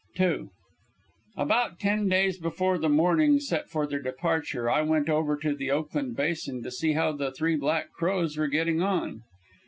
II About ten days before the morning set for their departure I went over to the Oakland Basin to see how the Three Black Crows were getting on.